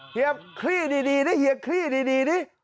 เฮียคลี่ดีนะเฮียคลี่ดีดิ